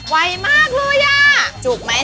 ไวมากเลยอ่ะจุกไหม